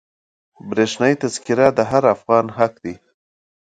برښنایي تذکره د هر افغان حق دی.